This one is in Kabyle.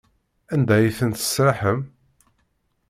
Anda ay ten-tesraḥem?